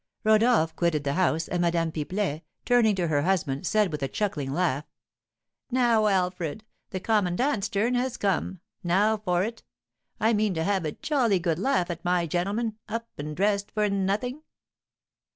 Rodolph quitted the house, and Madame Pipelet, turning to her husband, said, with a chuckling laugh, "Now, Alfred, the commandant's turn has come; now for it! I mean to have a jolly good laugh at my gentleman, up and dressed for nothing."